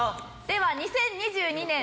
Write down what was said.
では２０２２年